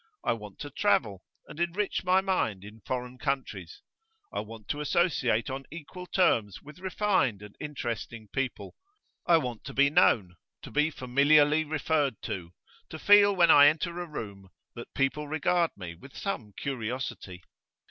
I want to travel and enrich my mind in foreign countries. I want to associate on equal terms with refined and interesting people. I want to be known, to be familiarly referred to, to feel when I enter a room that people regard me with some curiosity.